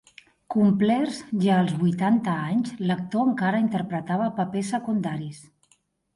Complerts ja els vuitanta anys, l'actor encara interpretava papers secundaris.